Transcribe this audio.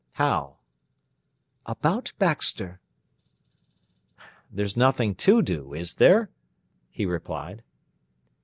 "How?" "About Baxter." "There's nothing to do, is there?" he replied.